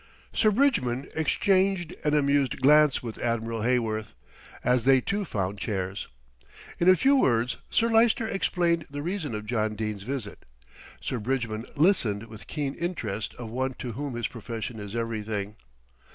Sir Bridgman exchanged an amused glance with Admiral Heyworth, as they too found chairs. In a few words Sir Lyster explained the reason of John Dene's visit. Sir Bridgman listened with the keen interest of one to whom his profession is everything.